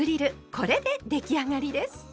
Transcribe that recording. これで出来上がりです。